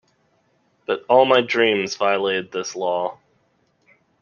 But all my dreams violated this law.